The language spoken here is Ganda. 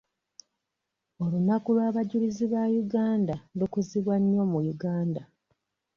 Olunaku lw'abajulizi ba Uganda lukuzibwa nnyo mu Uganda.